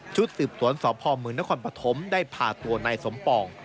สืบสวนสพมนครปฐมได้พาตัวนายสมปอง